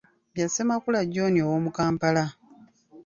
Bya Ssemakula John ow'omu Kampala.